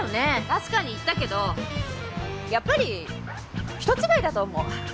確かに言ったけどやっぱり人違いだと思う。